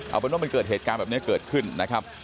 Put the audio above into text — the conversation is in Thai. เอาเป็นว่ามันเกิดเหตุการณ์แบบนี้เกิดขึ้นนะครับ